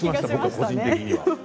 個人的には。